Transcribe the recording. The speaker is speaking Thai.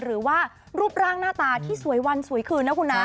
หรือว่ารูปร่างหน้าตาที่สวยวันสวยคืนนะคุณนะ